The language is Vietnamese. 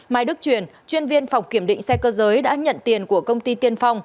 mai đức truyền chuyên viên phòng kiểm định xe cơ giới đã nhận tiền của công ty tiên phong